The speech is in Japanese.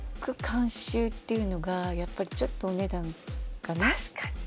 監修っていうのがやっぱりちょっとお値段がね